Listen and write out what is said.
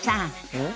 うん？